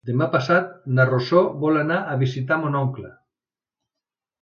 Demà passat na Rosó vol anar a visitar mon oncle.